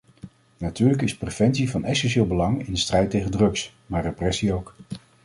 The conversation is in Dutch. Natuurlijk is preventie van essentieel belang in de strijd tegen drugs, maar repressie ook.